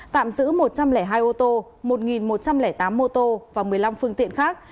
tạm giữ một trăm linh hai ô tô một một trăm linh tám mô tô và một mươi năm phương tiện khác